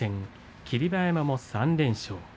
霧馬山も３連勝。